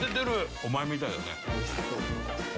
お前みたいだね。